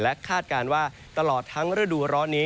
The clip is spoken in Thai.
คาดการณ์ว่าตลอดทั้งฤดูร้อนนี้